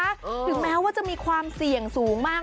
ถึงแม้ว่าจะมีความเสี่ยงสูงมาก